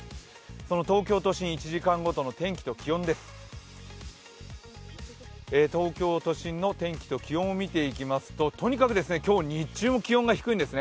東京都心、１時間ごとの天気と気温を見ていきますととにかく今日、日中も気温が低いんですね。